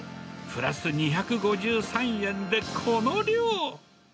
プラス２５３円でこの量。